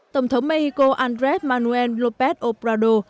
tổng thống mexico andres manuel lópez obrador